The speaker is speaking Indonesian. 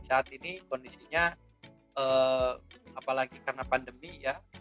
saat ini kondisinya apalagi karena pandemi ya